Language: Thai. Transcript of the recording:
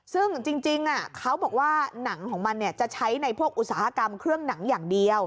ซึ่งจริงเขาบอกว่าหนังของมันจะใช้ในพวกอุตสาหกรรมเครื่องหนังอย่างเดียว